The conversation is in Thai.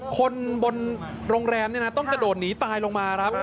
คนบนโรงแรมต้องกระโดดหนีตายลงมา